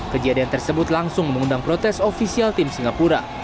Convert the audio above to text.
kejadian tersebut langsung mengundang protes ofisial tim singapura